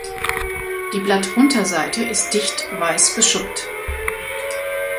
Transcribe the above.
Die Blattunterseite ist dicht weiß beschuppt.